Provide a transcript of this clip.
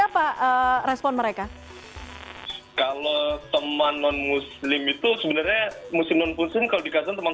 apa respon mereka kalau teman non muslim itu sebenarnya musim non muslim kalau dikasih teman